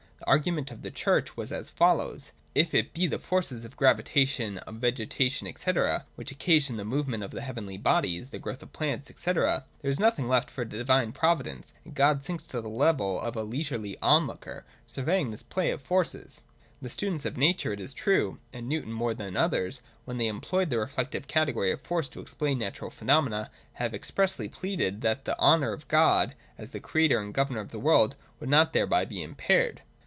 The argument of the Church was as follows. If it be the forces of gravitation, of vegetation, &c. which occasion the movements of the heavenly bodies, the growth of plants, &c., there is nothing left for divine pro vidence, and God sinks to the level of a leisurely onlooker, surveying this play of forces. The students of nature, it is true, and Newton more than others, when they employed the reflective category of force to explain natural pheno mena, have expressly pleaded that the honour of God, as the Creator and Governor of the world, would not thereby be impaired.